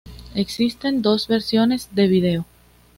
Existen dos versiones de vídeo.